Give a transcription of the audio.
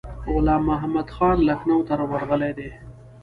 غلام محمدخان لکنهو ته ورغلی دی.